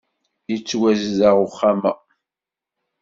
Yettwazdeɣ uxxxam-a.